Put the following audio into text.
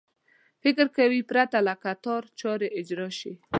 فکر کوي پرته له کتار چارې اجرا شي.